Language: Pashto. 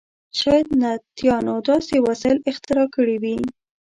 شاید نبطیانو داسې وسایل اختراع کړي وي.